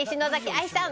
愛さん。